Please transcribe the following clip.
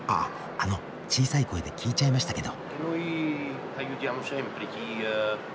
あの小さい声で聞いちゃいましたけど。